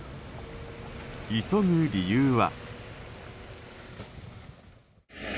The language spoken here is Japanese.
急ぐ理由は。